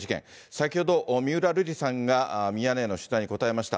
先ほど、三浦瑠麗さんがミヤネ屋の取材に答えました。